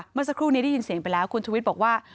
เมื่อสักครู่นี้ได้ยินเสียงไปแล้วคุณชุวิตบอกว่า